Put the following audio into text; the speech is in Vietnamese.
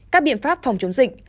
các biện pháp phòng chống dịch